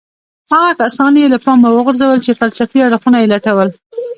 هغه کسان يې له پامه وغورځول چې فلسفي اړخونه يې لټول.